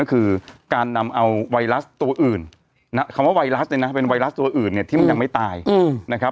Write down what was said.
ก็คือการนำเอาไวรัสตัวอื่นนะคำว่าไวรัสเนี่ยนะเป็นไวรัสตัวอื่นเนี่ยที่มันยังไม่ตายนะครับ